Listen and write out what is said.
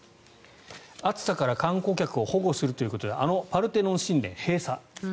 暑さから観光客を保護するということであのパルテノン神殿を閉鎖。